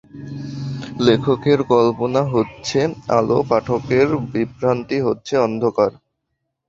লেখকের কল্পনা হচ্ছে আলো, পাঠকের বিভ্রান্তি হচ্ছে অন্ধকার।